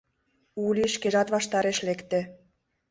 Ули шкежат ваштареш лекте.